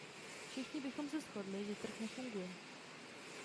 Všichni bychom se shodli, že trh nefunguje.